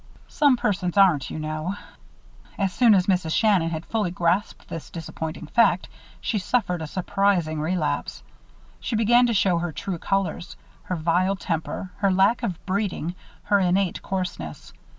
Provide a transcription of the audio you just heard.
Some persons aren't, you know. As soon as Mrs. Shannon had fully grasped this disappointing fact, she suffered a surprising relapse. She began to show her true colors her vile temper, her lack of breeding, her innate coarseness.